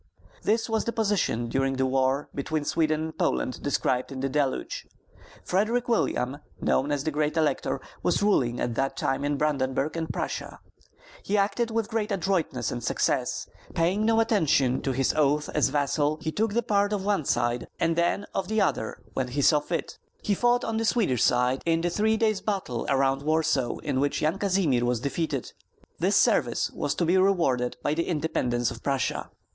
This was the position during the war between Sweden and Poland described in THE DELUGE. Frederick William, known as the Great Elector, was ruling at that time in Brandenburg and Prussia. He acted with great adroitness and success; paying no attention to his oath as vassal, he took the part of one side, and then of the other when he saw fit. He fought on the Swedish side in the three days' battle around Warsaw in which Yan Kazimir was defeated. This service was to be rewarded by the independence of Prussia.